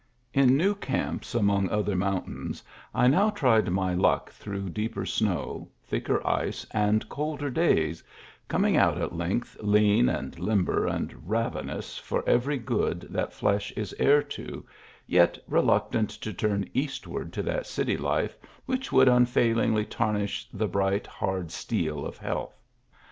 In new camps among other mountains I now tried my luck through deeper snow, thicker ice, and colder days, coming out at length lean and limber, and ravenous for every good that flesh is heir to, yet reluctant to turn eastward to that city life which would unfailingly tarnish the bright, hard steel of health.